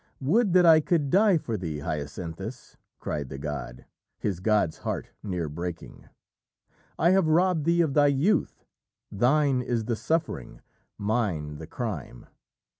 "Would that I could die for thee, Hyacinthus!" cried the god, his god's heart near breaking. "I have robbed thee of thy youth. Thine is the suffering, mine the crime.